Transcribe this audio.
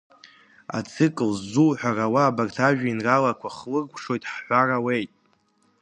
Ацикл ззуҳәар ауа абарҭ ажәеинраалақәа хлыркәшоит ҳҳәар ауеит.